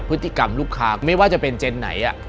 พฤติกรรมลูกค้าไม่ว่าจะเป็นเจนไหน